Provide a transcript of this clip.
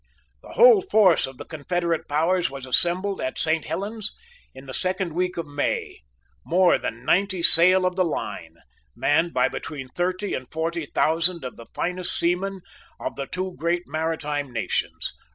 The whole force of the confederate powers was assembled at Saint Helen's in the second week of May, more than ninety sail of the line, manned by between thirty and forty thousand of the finest seamen of the two great maritime nations.